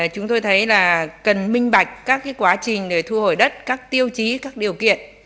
chúng tôi thấy là cần minh bạch các quá trình để thu hồi đất các tiêu chí các điều kiện